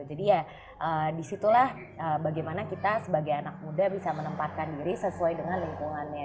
jadi ya di situlah bagaimana kita sebagai anak muda bisa menempatkan diri sesuai dengan lingkungannya